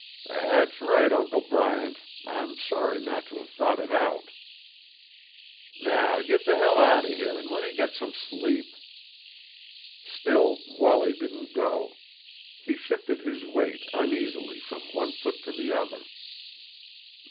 "That's right, Uncle Bryant, I'm sorry not tuh have thought it out." "Now get the hell outta here an' lemme git some sleep." Still Wallie didn't go. He shifted his weight uneasily from one foot to the other.